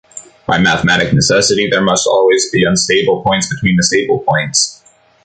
By mathematic necessity, there must also be unstable points between the stable points.